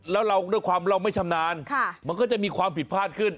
แล้วเราด้วยความเราไม่ชำนาญมันก็จะมีความผิดพลาดขึ้น